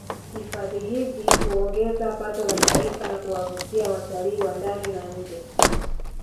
Hifadhi hizi huongeza pato la Taifa na kuwavutia watalii wa ndani na nje